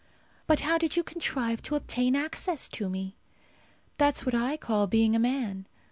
But how did you contrive to obtain access to me? That's what I call being a man.